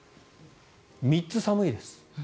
３つ寒いです。